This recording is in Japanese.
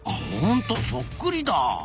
ほんとそっくりだ！